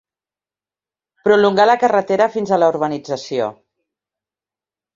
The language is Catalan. Prolongar la carretera fins a la urbanització.